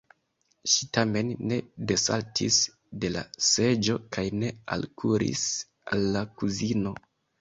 Ŝi tamen ne desaltis de la seĝo kaj ne alkuris al la kuzino.